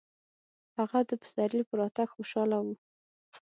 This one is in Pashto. هغه د پسرلي په راتګ خوشحاله و.